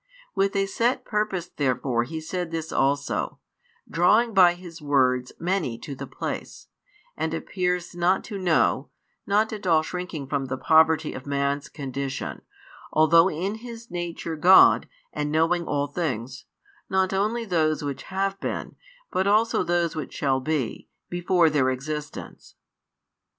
With a set purpose therefore He said this also, drawing by His words many to the place, and appears not to know, not at all shrinking from the poverty of |123 man's condition, although in His Nature God and knowing all things, not only those which have been, but also those which shall be, before their existence.